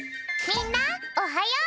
みんなもおはよう！